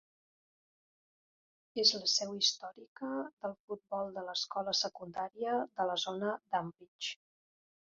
Es la seu històrica del futbol de l'escola secundària de la zona d'Ambridge.